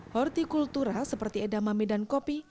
hortikultura seperti edama medan kopi